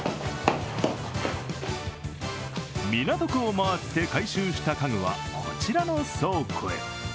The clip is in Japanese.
港区を回って回収した家具は、こちらの倉庫へ。